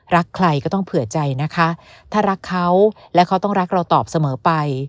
รักใครก็ต้องเผื่อใจนะคะถ้ารักเขาและเขาต้องรักเราตอบเสมอไป